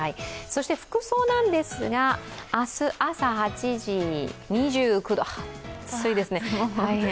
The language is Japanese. そして服装なんですが、明日朝８時、２９度、暑いですね、大変。